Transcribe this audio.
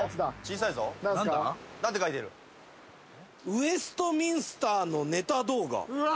「ウエストミンスターのネタ動画」うわ！